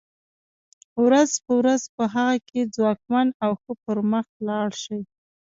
ورځ په ورځ په هغه کې ځواکمن او ښه پرمخ لاړ شي.